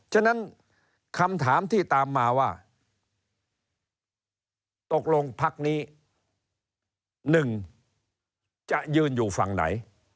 ฉะนั้นคำถามที่ตามมาว่าตกลงพักนี้๑จะยืนอยู่ฝั่งไหน